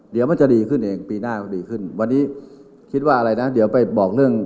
เดี๋ยวมันจะดีขึ้นเองปีหน้าก็ดีขึ้นวันนี้คิดว่าอะไรนะเดี๋ยวไปบอกเรื่อง